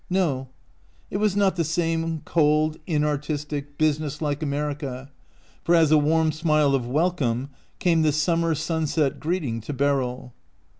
No ; it was not the same cold, inartistic, business like America, for as a warm smile of welcome came this summer sunset greet ing to Beryl.